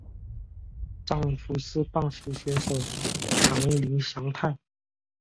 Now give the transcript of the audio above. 丈夫是棒球选手堂林翔太。